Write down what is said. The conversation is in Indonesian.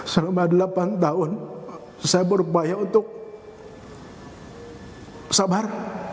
selama delapan tahun saya berupaya untuk sabar